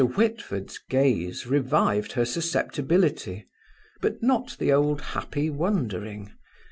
Whitford's gaze revived her susceptibility, but not the old happy wondering.